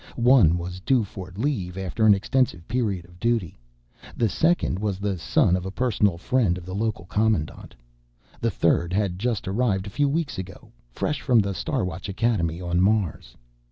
One was due for leave after an extensive period of duty. The second was the son of a personal friend of the local commandant. The third had just arrived a few weeks ago, fresh from the Star Watch Academy on Mars.